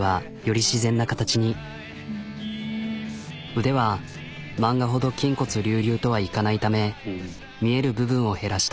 腕は漫画ほど筋骨隆々とはいかないため見える部分を減らした。